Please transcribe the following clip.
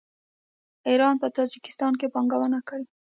ایران په تاجکستان کې پانګونه کړې.